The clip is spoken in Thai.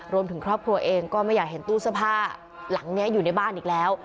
รวมถึงครอบครัวเองก็ไม่อยากเห็นตู้เสื้อผ้าหลังนี้อยู่ในบ้านอีกแล้ว